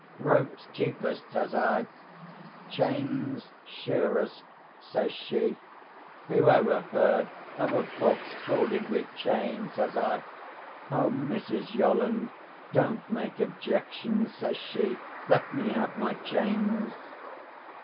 'Rope's cheapest,' says I. 'Chain's surest,' says she. 'Who ever heard of a box corded with chain,' says I. 'Oh, Mrs. Yolland, don't make objections!' says she; 'let me have my chains!